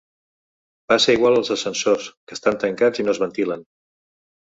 Passa igual als ascensors, que estan tancats i no es ventilen.